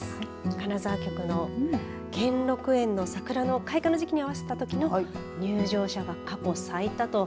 金沢局の兼六園の桜の開花の時期に合わせたときの入場者が過去最多と。